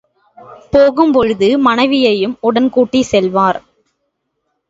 போகும் பொழுது மனைவியையும் உடன் கூட்டிச் செல்வார்.